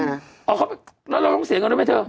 น้องแล้วต้องเสียงอด้วยไหมเถอะ